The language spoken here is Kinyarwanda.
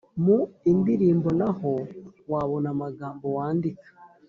Mu indirimbo naho wabona amagambo wandika